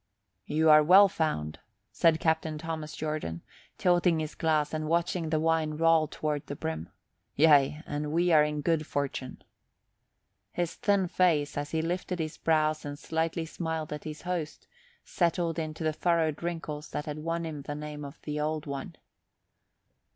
"You are well found," said Captain Thomas Jordan, tilting his glass and watching the wine roll toward the brim; "yea, and we are in good fortune." His thin face, as he lifted his brows and slightly smiled at his host, settled into the furrowed wrinkles that had won him the name of the Old One.